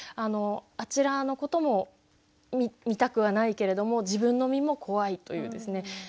あちらのことも見たくはないけれども自分の身も怖いというですね